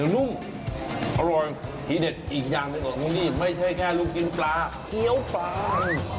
อร่อยอีกอย่างไม่ใช่แค่ลูกกินปลาเคี้ยวปลา